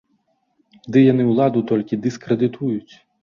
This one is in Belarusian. Ды яны ўладу толькі дыскрэдытуюць!